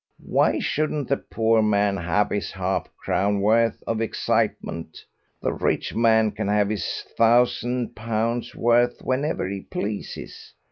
Why shouldn't the poor man 'ave his 'alf crown's worth of excitement? The rich man can have his thousand pounds' worth whenever he pleases.